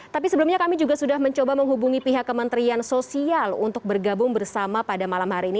tapi sebelumnya kami juga sudah mencoba menghubungi pihak kementerian sosial untuk bergabung bersama pada malam hari ini